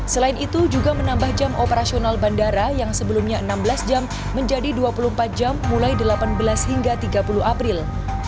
selain itu juga menambah jam operasional bandara yang sebelumnya enam belas jam menjadi dua puluh empat jam mulai delapan belas hingga tiga puluh april